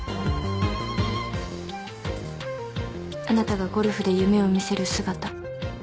あなたがゴルフで夢を見せる姿。